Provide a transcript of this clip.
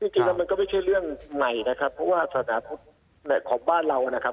จริงแล้วมันก็ไม่ใช่เรื่องใหม่นะครับเพราะว่าสถานพุทธของบ้านเรานะครับ